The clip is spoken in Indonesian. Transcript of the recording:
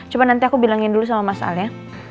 coba nanti aku bilangin dulu sama mas al ya